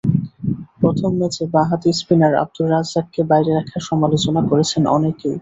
প্রথম ম্যাচে বাঁহাতি স্পিনার আবদুর রাজ্জাককে বাইরে রাখার সমালোচনা করেছেন অনেকেই।